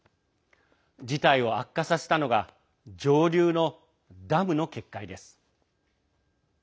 事態を悪化させたのが上流のダムの決壊です。